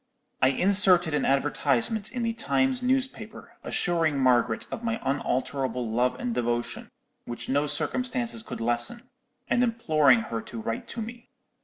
"I inserted an advertisement in the Times newspaper, assuring Margaret of my unalterable love and devotion, which no circumstances could lessen, and imploring her to write to me.